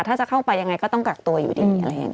ถ้าจะเข้าไปยังไงก็ต้องกักตัวอยู่ดี